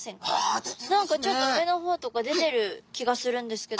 何かちょっと上の方とか出てる気がするんですけど。